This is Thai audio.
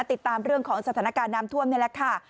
ติดตามเรื่องของสถานการณ์น้ำท่วมนี่แหละค่ะ